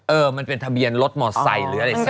เออมันเป็นทะเบียนรถหมอไส่หรืออะไรสักอย่าง